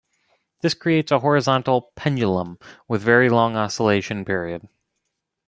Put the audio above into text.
This creates a horizontal "pendulum" with very long oscillation period.